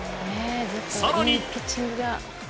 さらに。